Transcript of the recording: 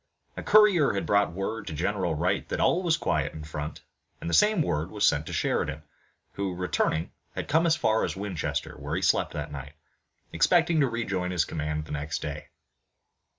A courier had brought word to General Wright that all was quiet in front, and the same word was sent to Sheridan, who, returning, had come as far as Winchester where he slept that night, expecting to rejoin his command the next day.